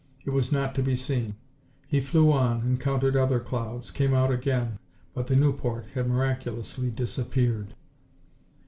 It was not to be seen. He flew on, encountered other clouds, came out again, but the Nieuport had miraculously disappeared.